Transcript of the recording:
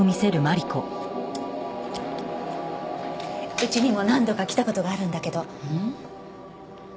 うちにも何度か来た事があるんだけど。